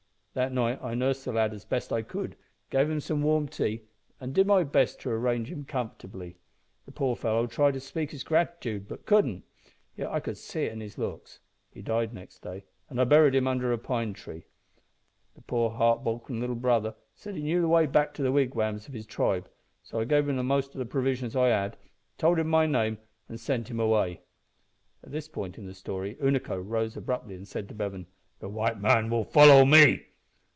"That night I nursed the lad as I best could, gave him some warm tea, and did my best to arrange him comfortably. The poor fellow tried to speak his gratitude, but couldn't; yet I could see it in his looks. He died next day, and I buried him under a pine tree. The poor heart broken little brother said he knew the way back to the wigwams of his tribe, so I gave him the most of the provisions I had, told him my name, and sent him away." At this point in the story Unaco rose abruptly, and said to Bevan "The white man will follow me."